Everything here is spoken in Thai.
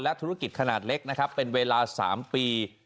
และธุรกิจขนาดเล็กเป็นเวลา๓ปี